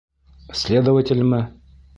Следователме?